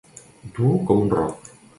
Dur com un roc.